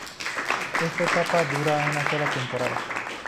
Esta etapa dura una sola temporada.